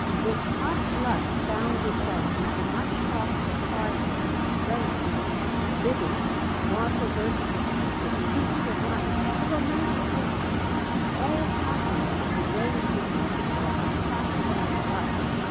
This hot blood found its way into much talk of hardihood and strenuousness, vigor, martial virtues, "the steeps of life," "the romance of history" all calculated to raise the temperature of tax paying blood.